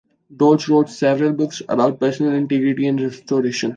Dortch wrote several books about personal integrity and restoration.